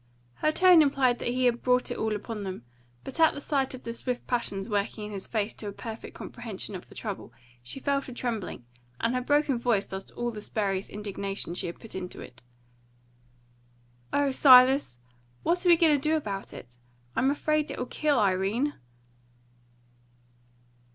Her tone implied that he had brought it all upon them; but at the sight of the swift passions working in his face to a perfect comprehension of the whole trouble, she fell to trembling, and her broken voice lost all the spurious indignation she had put into it. "O Silas! what are we going to do about it? I'm afraid it'll kill Irene."